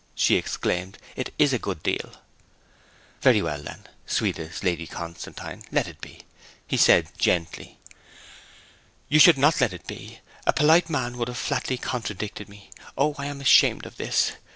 she exclaimed. 'It is a good deal.' 'Very well, then, sweetest Lady Constantine, let it be,' he said gently. 'You should not let it be! A polite man would have flatly contradicted me. ... O I am ashamed of this!'